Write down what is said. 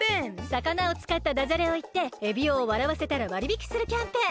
さかなをつかったダジャレをいってエビオをわらわせたらわりびきするキャンペーン。